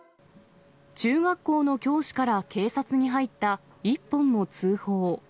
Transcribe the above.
中学校の教師から警察に入った一本の通報。